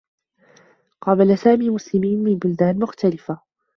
قابل سامي مسلمين من بلدان مختلفة.